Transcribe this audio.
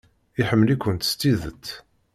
Iḥemmel-ikent s tidet.